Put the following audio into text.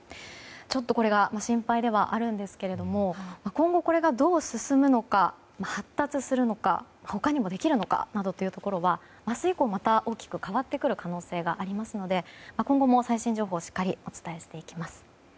ちょっとこれが心配ではあるんですけれども今後、これがどう進むのか発達するのか他にもできるのかなどというのは明日以降また大きく変わってくる可能性がありますので今後も最新情報をしっかりお伝えしていきます。